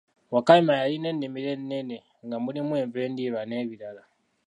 Wakayima yalina ennimiro ennene nga mulimu enva endiirwa n'ebibala.